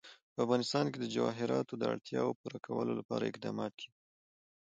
په افغانستان کې د جواهرات د اړتیاوو پوره کولو لپاره اقدامات کېږي.